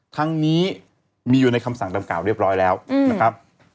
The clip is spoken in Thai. ครั้งนี้มีอยู่ในคำสั่งดังกล่าวเรียบร้อยแล้วนะครับ